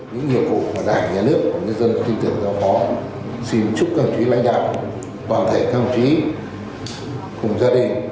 những nhiệm vụ đại nhà nước dân tin tưởng giao phó xin chúc công chí lãnh đạo toàn thể công chí cùng gia đình